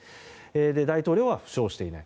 大統領は負傷していない。